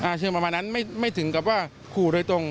เชื่อประมาณนั้นไม่ถึงกับว่าขู่โดยตรง